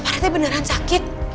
pak retek beneran sakit